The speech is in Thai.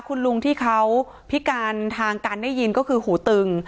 คุณลุงที่เขาพิการทางการได้ยินก็คือหูตึง